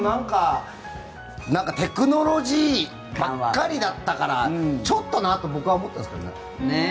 なんかテクノロジーばっかりだったからちょっとなと僕は思ったんですけどね。